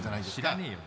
知らねえよ